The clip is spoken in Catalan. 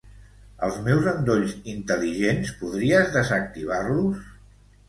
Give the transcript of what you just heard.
Els meus endolls intel·ligents, podries desactivar-los?